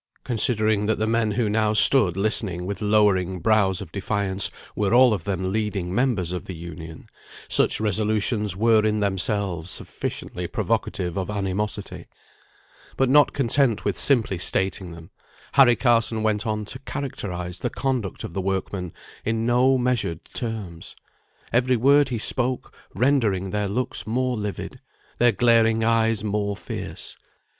Considering that the men who now stood listening with lowering brows of defiance were all of them leading members of the Union, such resolutions were in themselves sufficiently provocative of animosity: but not content with simply stating them, Harry Carson went on to characterise the conduct of the workmen in no measured terms; every word he spoke rendering their looks more livid, their glaring eyes more fierce.